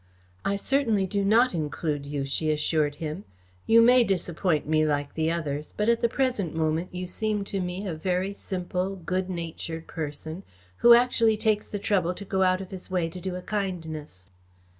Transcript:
"I certainly do not include you," she assured him. "You may disappoint me like the others, but at the present moment you seem to me a very simple, good natured person, who actually takes the trouble to go out of his way to do a kindness."